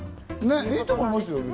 いいと思いますよ。